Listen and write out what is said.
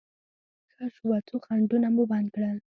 ښه شوه، څو خنډونه مو بند کړل.